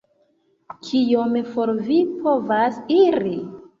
Kiom for vi povas iri?